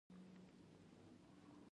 د غټو وړو ډله په سندرو له کلي روانه وه.